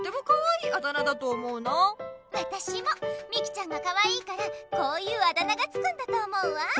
わたしもみきちゃんがかわいいからこういうあだ名がつくんだと思うわ。